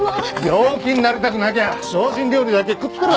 病気になりたくなきゃ精進料理だけ食ってろ！